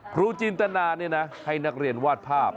ครูจินตนาให้นักเรียนวาดภาพ